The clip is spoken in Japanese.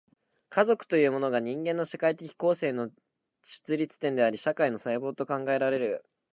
家族というものが、人間の社会的構成の出立点であり、社会の細胞と考えられる。